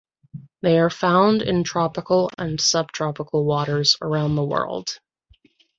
They are found in tropical and subtropical waters around the world.